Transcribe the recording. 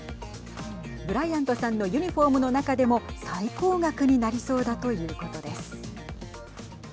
ブライアントさんのユニフォームの中でも最高額になりそうだということです。